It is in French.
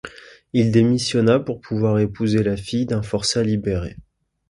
Il démissionna pour pouvoir épouser la fille d'un forçat libéré.